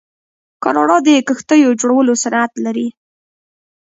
کاناډا د کښتیو جوړولو صنعت لري.